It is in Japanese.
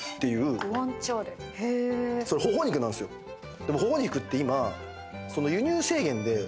でも頬肉って今。